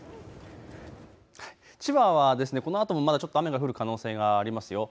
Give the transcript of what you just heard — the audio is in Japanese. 千葉はこのあとも雨が降る可能性があります。